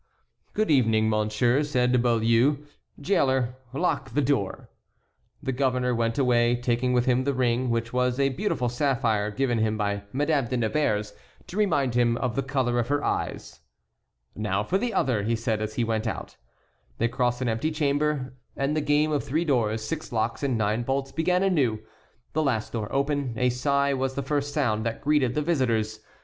"Good evening, monsieur," said Beaulieu. "Jailer, lock the door." The governor went away, taking with him the ring, which was a beautiful sapphire, given him by Madame de Nevers to remind him of the color of her eyes. "Now for the other," he said as he went out. They crossed an empty chamber, and the game of three doors, six locks, and nine bolts began anew. The last door open, a sigh was the first sound that greeted the visitors.